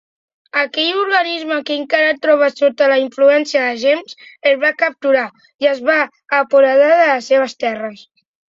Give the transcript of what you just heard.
Aquell organisme, que encara es trobava sota la influència de James, el va capturar i es va apoderar de les seves terres.